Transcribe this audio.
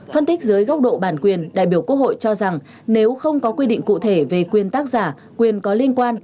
phân tích dưới góc độ bản quyền đại biểu quốc hội cho rằng nếu không có quy định cụ thể về quyền tác giả quyền có liên quan